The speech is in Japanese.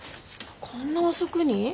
こんな遅くに？